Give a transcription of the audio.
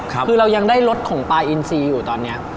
คือเรายังได้รสของปลาอินซีอยู่ตอนนี้